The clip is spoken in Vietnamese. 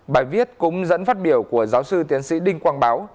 bài viết cũng dẫn phát biểu của giáo sư tiến sĩ đinh quang báo